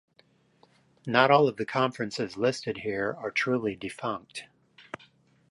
Not all of the conferences listed here are truly defunct.